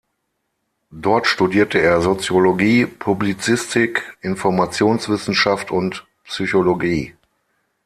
Dort studierte er Soziologie, Publizistik, Informationswissenschaft und Psychologie.